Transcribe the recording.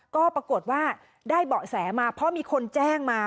ก็ปรากฏว่าได้เบาะแสมาเพราะมีคนแจ้งมา